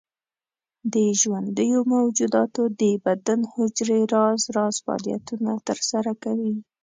د ژوندیو موجوداتو د بدن حجرې راز راز فعالیتونه تر سره کوي.